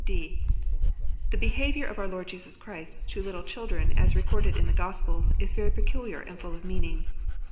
(d) The behamoiir of our Lord Jesus Christ to little children, as recorded in the Gospels, is very peculiar and full of meaning.